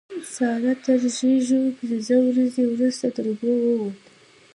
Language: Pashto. سارا تر زېږون پينځه ورځې روسته تر اوبو ووته.